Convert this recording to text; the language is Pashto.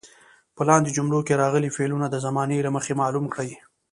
په لاندې جملو کې راغلي فعلونه د زمانې له مخې معلوم کړئ.